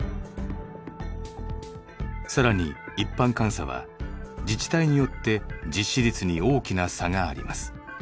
さらに一般監査は自治体によって実施率に大きな差があります。